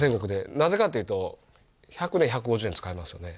なぜかっていうと１００年１５０年使えますよね。